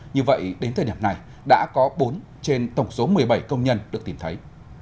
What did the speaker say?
như vậy đến thời điểm này đã có bốn trên tổng số một mươi bảy công nhân được tìm thấy